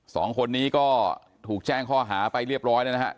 สองคนนี้ก็ถูกแจ้งค่าหาไปเรียบร้อยนะครับ